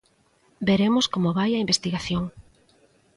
Veremos como vai a investigación.